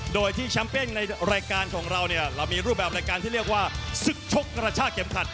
โดยที่แชมเป้งในรายการของเราเนี่ยเรามีรูปแบบรายการที่เรียกว่าศึกชกกระชากเข็มขัด